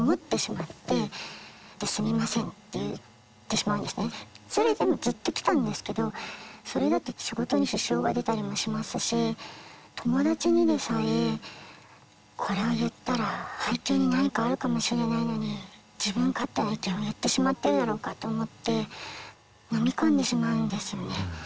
これはこういうそれを言うとそれでずっときたんですけどそれだと仕事に支障が出たりもしますし友達にでさえこれを言ったら背景に何かあるかもしれないのに自分勝手な意見を言ってしまってるだろうか？と思って飲み込んでしまうんですよね。